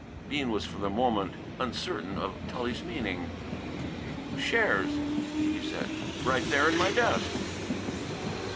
Bean was for the moment uncertain of Tully's meaning. "Shares," he said. "Right there in my desk."